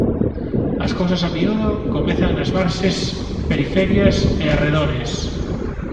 As cousas a miúdo comezan nas marxes, periferias e arredores.